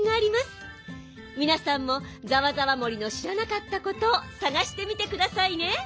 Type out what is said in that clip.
みなさんもざわざわ森のしらなかったことをさがしてみてくださいね。